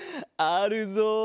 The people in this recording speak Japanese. あるぞ。